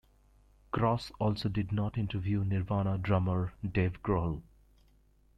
Cross also did not interview Nirvana drummer Dave Grohl.